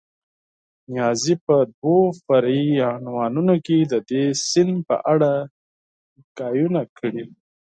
نیازي په دوو فرعي عنوانونو کې د دې سیند په اړه خبرې کړې دي.